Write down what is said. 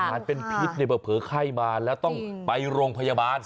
อาหารเป็นพิษเผลอไข้บานแล้วต้องไปโรงพยาบาล